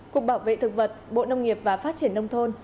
cục bảo vệ thực vật bộ nông nghiệp và phát triển nông thôn